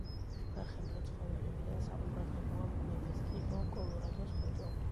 უხერხემლო ცხოველებიდან საყურადრებოა მღვიმის კიბო, კოლორადოს ხოჭო.